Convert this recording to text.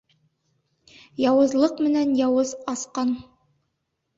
Яуызлыҡ менән яуыз асҡан.